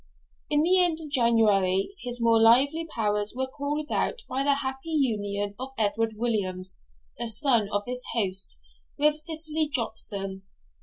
In the end of January his more lively powers were called out by the happy union of Edward Williams, the son of his host, with Cicely Jopson.